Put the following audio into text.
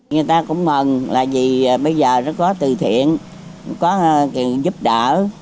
người ta cũng mừng là vì bây giờ nó có từ thiện có kiện giúp đỡ